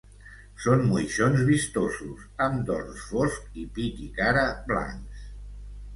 Són moixons vistosos, amb dors fosc i pit i cara blancs.